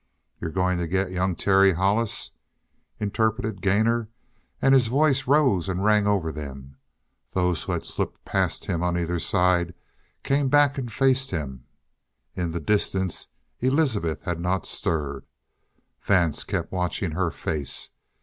"You're going to get young Terry Hollis?" interpreted Gainor, and his voice rose and rang over them. Those who had slipped past him on either side came back and faced him. In the distance Elizabeth had not stirred. Vance kept watching her face.